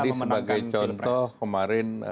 memenangkan pilpres jadi sebagai contoh kemarin